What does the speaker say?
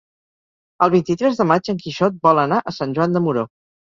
El vint-i-tres de maig en Quixot vol anar a Sant Joan de Moró.